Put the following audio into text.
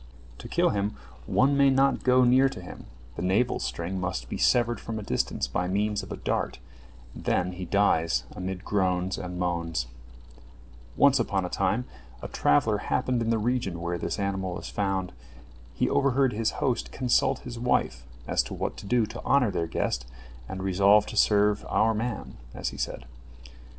To kill him, one may not go near to him, the navel string must be severed from a distance by means of a dart, and then he dies amid groans and moans. Once upon a time a traveller happened in the region where this animal is found. He overheard his host consult his wife as to what to do to honor their guest, and resolve to serve "our man," as he said.